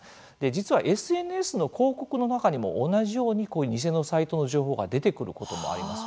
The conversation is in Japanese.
実は、ＳＮＳの広告の中にも同じように偽のサイトの情報が出てくることもあります。